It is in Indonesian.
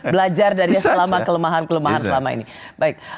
belajar dari selama kelemahan kelemahan selama ini baik